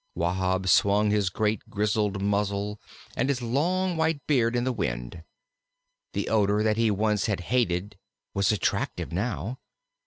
Wahb swung his great grizzled muzzle and his long white beard in the wind. The odor that he once had hated was attractive now.